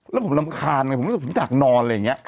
และผมรำคาญผมอยู่ถึงหัวหนอน